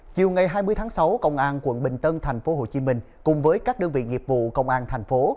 chiều ngày hai mươi tháng sáu công an quận bình tân tp hcm cùng với các đơn vị nghiệp vụ công an thành phố